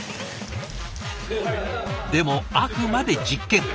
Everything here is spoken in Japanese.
でもあくまで実験。